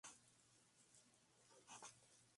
La imagen que representa a Apolo es la mejor conservada.